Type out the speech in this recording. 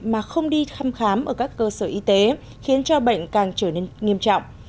mà không đi thăm khám ở các cơ sở y tế khiến cho bệnh càng trở nên nghiêm trọng